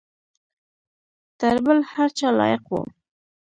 تر بل هر چا لایق وو.